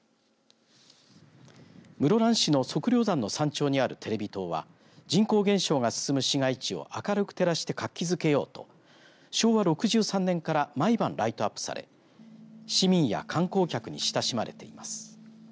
室蘭市の測量山の山頂にあるテレビ塔は人口減少が進む市街地を明るく照らして活気づけようと昭和６３年から毎晩ライトアップされ市民や観光客に親しまれています。